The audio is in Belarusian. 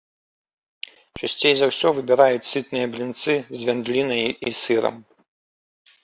Часцей за ўсё выбіраюць сытныя блінцы з вяндлінай і сырам.